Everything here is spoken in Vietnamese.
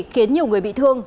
khiến nhiều người bị thương